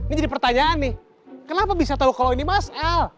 ini jadi pertanyaan nih kenapa bisa tahu kalau ini mas el